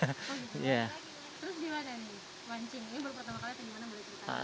terus gimana nih mancing ini baru pertama kali atau gimana boleh ceritain